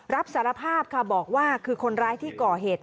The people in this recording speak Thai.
รับสารภาพค่ะบอกว่าคือคนร้ายที่ก่อเหตุ